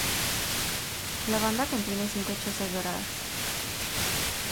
La banda contiene cinco chozas doradas.